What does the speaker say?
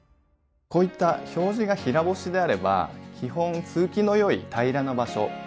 こういった表示が平干しであれば基本通気の良い平らな場所